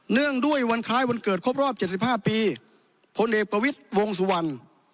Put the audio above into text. เนื่องด้วยวันคลายวันเกิดครบรอบเกี่ยวสิบห้าปีพลเอกประวิทธิ์วงสุวรรณ